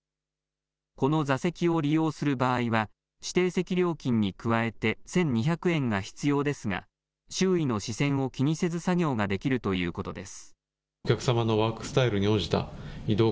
この座席を利用する場合は指定席料金に加えて１２００円が必要ですが、周囲の視線を気にせず作業ができるということです。